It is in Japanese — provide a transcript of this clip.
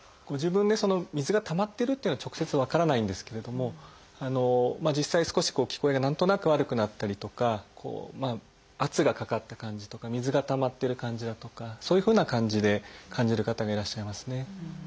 ご自分で水がたまってるっていうのは直接分からないんですけれども実際少し聞こえが何となく悪くなったりとか圧がかかった感じとか水がたまってる感じだとかそういうふうな感じで感じる方がいらっしゃいますね。